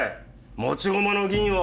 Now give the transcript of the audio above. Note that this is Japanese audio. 持ち駒の銀を！